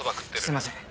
すいません。